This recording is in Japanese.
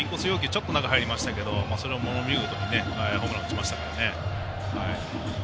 ちょっと中、入りましたがそれをものの見事にホームランを打ちましたからね。